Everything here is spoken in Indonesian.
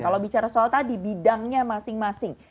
kalau bicara soal tadi bidangnya masing masing